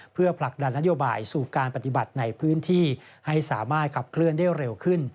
เพื่อผลักดันนโยบายสู่การปฏิบัติในพื้นที่ให้สามารถขับเคลื่อนได้เร็วขึ้น